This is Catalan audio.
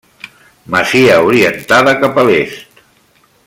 Masia orientada cap a l'est.